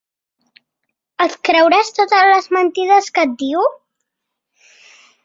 Et creuràs totes les mentides que et diu?